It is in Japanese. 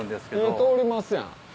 火通りますやん。